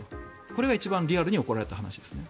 これが一番リアルに怒られた話ですね。